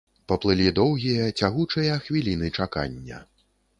Паплылі доўгія, цягучыя хвіліны чакання.